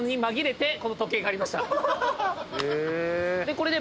これで。